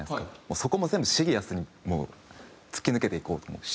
そこも全部シリアスにもう突き抜けていこうと思って。